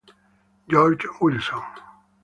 George Wilson